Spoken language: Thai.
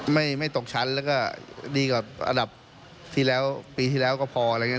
ไม่ตกชั้นแล้วก็ดีกว่าอันดับที่แล้วปีที่แล้วก็พออะไรอย่างนี้